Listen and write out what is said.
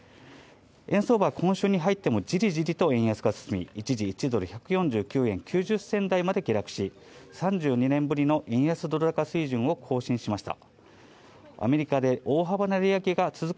円相場は今週に入ってもジリジリと円安が進み、一時、１ドル＝１４９円台９０銭台まで一時、１ドル＝１４９円台９０銭台近くまで下落し、３２年ぶりの円安ドル高水準を更新しました。